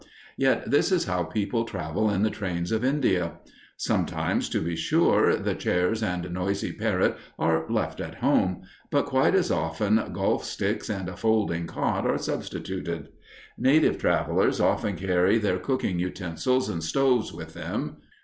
Yet this is how people travel in the trains of India. Sometimes, to be sure, the chairs and noisy parrot are left at home, but quite as often golf sticks and a folding cot are substituted. Native travelers often carry their cooking utensils and stoves with them.